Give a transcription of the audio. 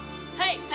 はい！